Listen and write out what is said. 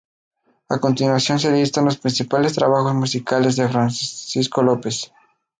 A continuación se listan los principales trabajos musicales de Francisco López.